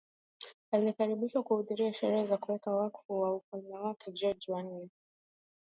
Alikaribishwa kuhudhuria Sherehe za Kuwekwa Wakfu wa Ufalme Mfalme George wa nne